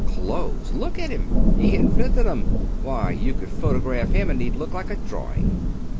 "Clothes! Look at him. He invented 'em. Why, you could photograph him and he'd look like a drawing."